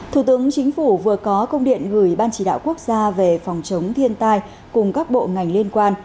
thủ tướng chính phủ vừa có công điện gửi ban chỉ đạo quốc gia về phòng chống thiên tai cùng các bộ ngành liên quan